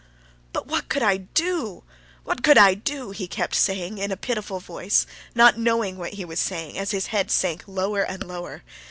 "But what could I do? what could I do?" he kept saying in a pitiful voice, not knowing what he was saying, as his head sank lower and lower.